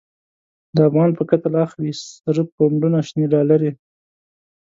د افغان په قتل اخلی، سره پو نډونه شنی ډالری